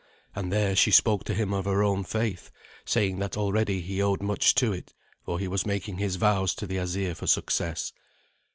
And there she spoke to him of her own faith, saying that already he owed much to it. For he was making his vows to the Asir for success.